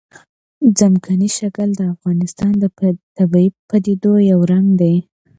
ځمکنی شکل د افغانستان د طبیعي پدیدو یو رنګ دی.